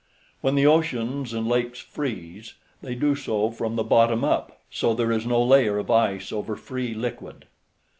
When the oceans and lakes freeze, they do so from the bottom up, so there is no layer of ice over free liquid.